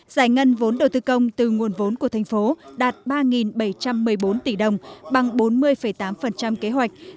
giải ngân vốn đầu tư công từ nguồn vốn của thành phố đạt ba bảy trăm một mươi bốn tỷ đồng bằng bốn mươi tám kế hoạch